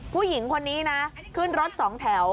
ผู้หญิงคนนี้นะขึ้นรถสองแถว